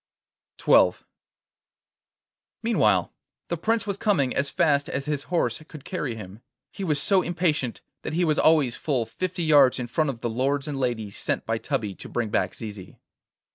XII Meanwhile the Prince was coming as fast as his horse could carry him. He was so impatient that he was always full fifty yards in front of the lords and ladies sent by Tubby to bring back Zizi.